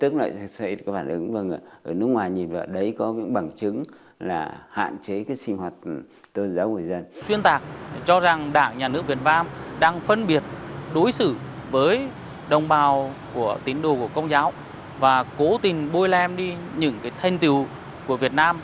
cố tình đưa ra những luận điệu xuyên tạc cố tình bôi lem những thành tựu của việt nam